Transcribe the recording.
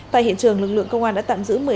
tại hiện trường lực lượng công an đã tạm giữ